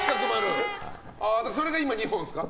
それで今、２本ですか。